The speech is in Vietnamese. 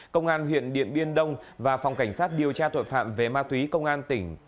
công an huyện điện biên đông và phòng cảnh sát điều tra tội phạm về ma túy công an tỉnh